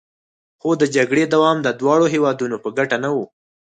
خو د جګړې دوام د دواړو هیوادونو په ګټه نه و